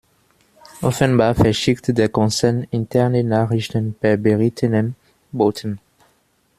Offenbar verschickt der Konzern interne Nachrichten per berittenem Boten.